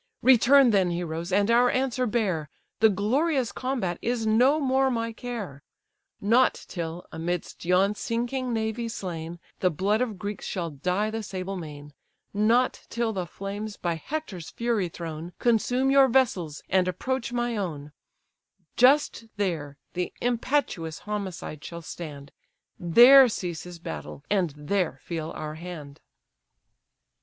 Return, then, heroes! and our answer bear, The glorious combat is no more my care; Not till, amidst yon sinking navy slain, The blood of Greeks shall dye the sable main; Not till the flames, by Hector's fury thrown, Consume your vessels, and approach my own; Just there, the impetuous homicide shall stand, There cease his battle, and there feel our hand."